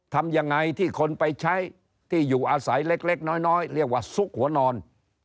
ทำยังไงที่คนไปใช้ที่อยู่อาศัยเล็กน้อยเรียกว่าซุกหัวนอน